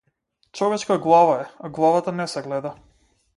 Човечка глава е, а главата не се гледа.